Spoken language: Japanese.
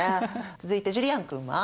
続いてジュリアン君は？